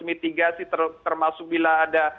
mitigasi termasuk bila ada